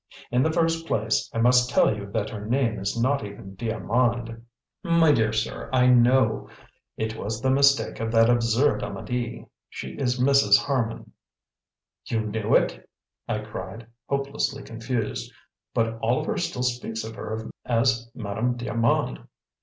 In the first place, I must tell you that her name is not even d'Armand " "My dear sir, I know. It was the mistake of that absurd Amedee. She is Mrs. Harman." "You knew it?" I cried, hopelessly confused. "But Oliver still speaks of her as Madame d'Armand."